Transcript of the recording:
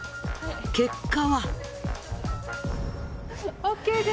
結果は。